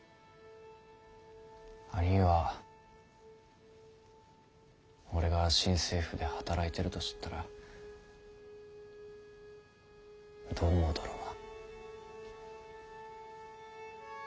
あにぃは俺が新政府で働いてると知ったらどう思うだろうな。